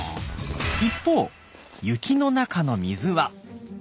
一方雪の中の水は。